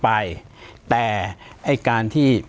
ปากกับภาคภูมิ